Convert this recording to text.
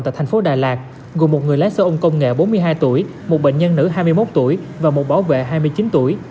tại thành phố đà lạt gồm một người lái xe ôn công nghệ bốn mươi hai tuổi một bệnh nhân nữ hai mươi một tuổi và một bảo vệ hai mươi chín tuổi